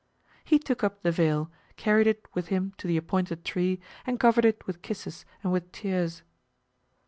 He took up the veil, carried it with him to the appointed tree, and covered it with kisses and with tears.